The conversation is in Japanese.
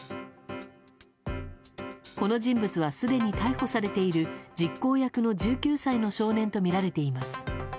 この人物はすでに逮捕されている実行役の１９歳の少年とみられています。